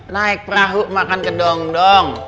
naik perahu makan kedong dong